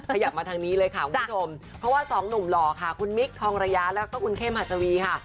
ขยับมาทางนี้เลยค่ะคุณผู้ชมเพราะว่าสองหนุ่มหล่อค่ะคุณมิคทองระยะแล้วก็คุณเข้มหัสวีค่ะ